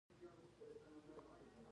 میوې خوږې دي.